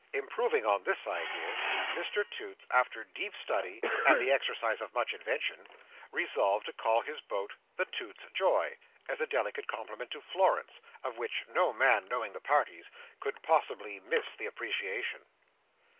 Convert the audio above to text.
Improving on this idea, Mr Toots, after deep study and the exercise of much invention, resolved to call his boat The Toots's Joy, as a delicate compliment to Florence, of which no man knowing the parties, could possibly miss the appreciation.